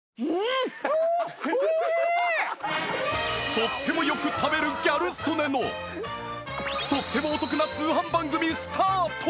とってもよく食べるギャル曽根のとってもお得な通販番組スタート！